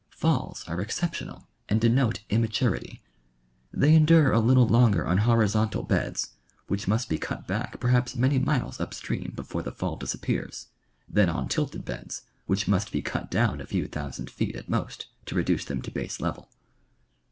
Falls are exceptional and denote immaturity. They endure a little longer on horizontal beds, which must be cut back perhaps many miles up stream before the fall disappears, than on tilted beds, which must be cut down a few thousand feet at most to reduce them to base level.